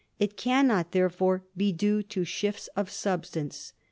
It cannot, therefore, be due to shift of substance.